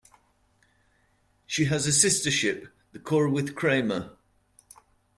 She has a sister ship, the "Corwith Cramer".